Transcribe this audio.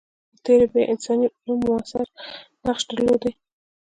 په تېره بیا انساني علوم موثر نقش درلودلی.